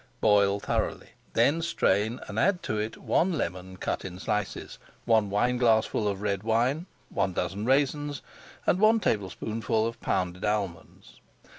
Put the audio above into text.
Boil thoroughly, then strain and add to it one lemon cut in slices, one wineglassful of red wine, one dozen raisins, and one tablespoonful of pounded almonds.